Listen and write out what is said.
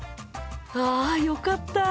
あよかった！